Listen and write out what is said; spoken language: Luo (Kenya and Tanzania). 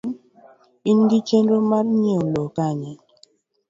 in gi chenro mar nyieo lowo Kanye?